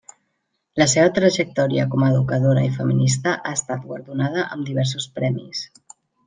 La seva trajectòria com educadora i feminista ha estat guardonada amb diversos premis.